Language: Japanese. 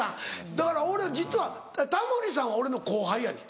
だから俺実はタモリさんは俺の後輩やねん。